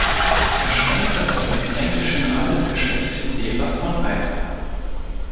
Er stammte aus dem fränkischen Adelsgeschlecht derer von Eyb.